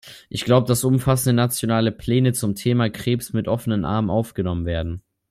Ich glaube, dass umfassende nationale Pläne zum Thema Krebs mit offenen Armen aufgenommen werden.